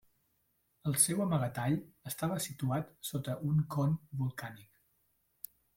El seu amagatall estava situat sota un con volcànic.